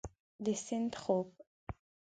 د سیند خوب